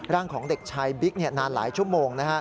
ของเด็กชายบิ๊กนานหลายชั่วโมง